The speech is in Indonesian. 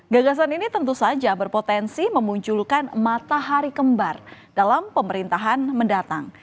gagasan ini tentu saja berpotensi memunculkan matahari kembar dalam pemerintahan mendatang